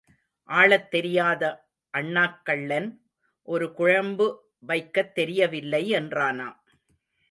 ஆளத் தெரியாத அண்ணாக்கள்ளன் ஒரு குழம்பு வைக்கத் தெரியவில்லை என்றானாம்.